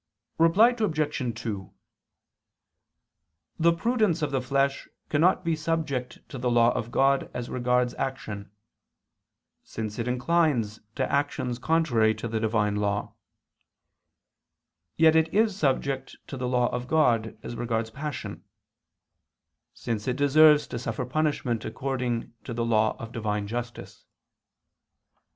Reply Obj. 2: The prudence of the flesh cannot be subject to the law of God as regards action; since it inclines to actions contrary to the Divine law: yet it is subject to the law of God, as regards passion; since it deserves to suffer punishment according to the law of Divine justice.